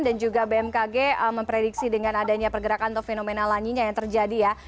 dan juga bmkg memprediksi dengan adanya pergerakan atau fenomena lainnya yang terjadi ya